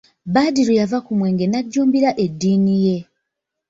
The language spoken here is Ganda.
Badru yava ku mwenge n'ajjumbira eddiini ye.